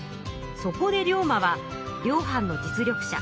そこで龍馬は両藩の実力者